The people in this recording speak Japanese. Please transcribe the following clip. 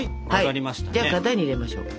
じゃあ型に入れましょう。